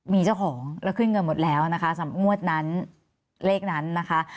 มีเจ้าของแล้วขึ้นเงินหมดแล้วนะคะสำหรับงวดนั้นเลขนั้นนะคะ